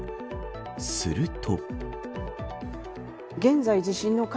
すると。